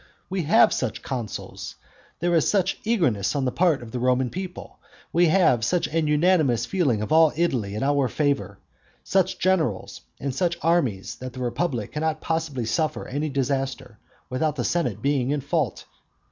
We have such consuls, there is such eagerness on the part of the Roman people, we have such an unanimous feeling of all Italy in our favour, such generals, and such armies, that the republic cannot possibly suffer any disaster without the senate being in fault.